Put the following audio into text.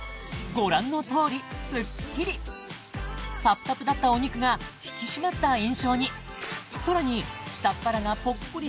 ご覧のとおりスッキリタプタプだったお肉が引き締まった印象にさらに下っ腹がポッコリし